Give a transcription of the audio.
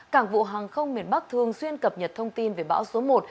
cảng vụ hàng không miền bắc thường xuyên cập nhật thông tin về bão số một